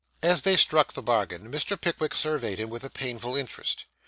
As they struck the bargain, Mr. Pickwick surveyed him with a painful interest.